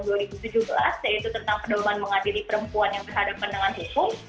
yaitu tentang pendorongan mengadili perempuan yang terhadap pendengar hukum